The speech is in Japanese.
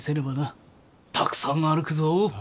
たくさん歩くぞ。